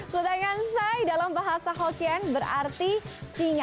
sedangkan sai dalam bahasa hokkien berarti singa